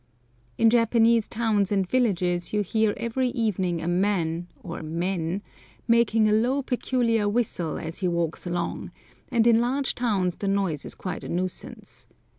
In Japanese towns and villages you hear every evening a man (or men) making a low peculiar whistle as he walks along, and in large towns the noise is quite a nuisance.